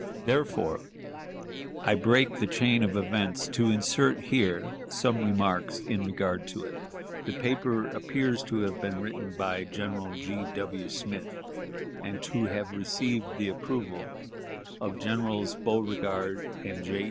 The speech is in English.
Therefore I break the chain of events to insert here some remarks in regard to it. The paper appears to have been written by General G. W. Smith, and to have received the approval of Generals Beauregard and J.